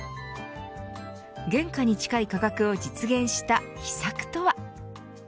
原価に近い価格を実現した秘策とは。